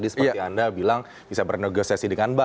tadi seperti anda bilang bisa bernegosiasi dengan bank